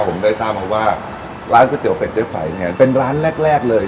ผมได้ทราบมาว่าร้านก๋วเตี๋ยวเป็ดเจ๊ฝ่ายนี่กร้านแรกเลย